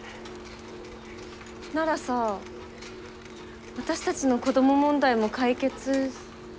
ならさ私たちの子ども問題も解決。